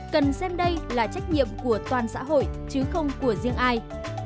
cần xem đây là trách nhiệm của toàn xã hội chứ không của riêng ai